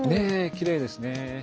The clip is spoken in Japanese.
きれいですね。